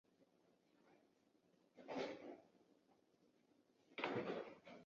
瑞奇马汀出生在一个罗马天主教的家庭并且在他的童年是位辅祭。